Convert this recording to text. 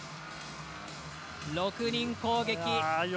６人攻撃。